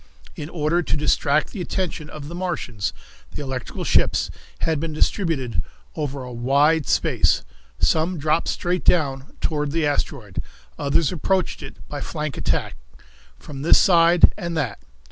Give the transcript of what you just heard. In order to distract the attention of the Martians, the electrical ships had been distributed over a wide space. Some dropped straight down toward the asteroid; others approached it by flank attack, from this side and that.